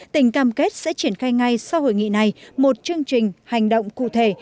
tỉnh cam kết sẽ triển khai ngay sau hội nghị này một chương trình hành động cụ thể